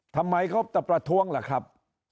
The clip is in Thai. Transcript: ทำไมครบแต่ประท้วงล่ะครับ